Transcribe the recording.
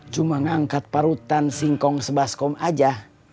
cuma ngangkat parutan singkong sebaskom aja